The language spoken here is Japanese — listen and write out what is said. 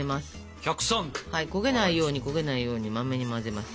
焦げないように焦げないようにマメに混ぜます。